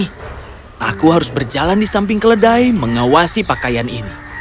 eh aku harus berjalan di samping keledai mengawasi pakaian ini